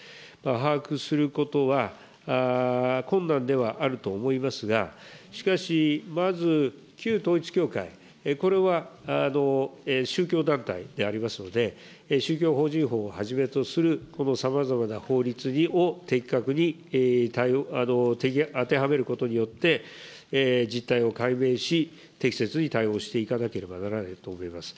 把握することは、困難ではあると思いますが、しかし、まず旧統一教会、これは宗教団体でありますので、宗教法人法をはじめとするさまざまな法律を的確に当てはめることによって、実態を解明し、適切に対応していかなければならないと思います。